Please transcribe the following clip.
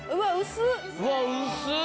うわ薄っ！